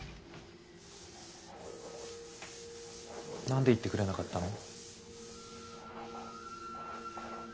何で言ってくれなかったの？